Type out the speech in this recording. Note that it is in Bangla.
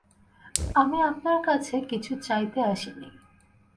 আমি আপনার কাছে কিছু চাইতে আসি নি।